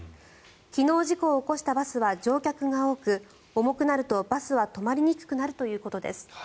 昨日事故を起こしたバスは乗客が多く重くなるとバスは止まりにくくなるということです。